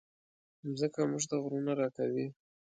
مځکه موږ ته غرونه راکوي.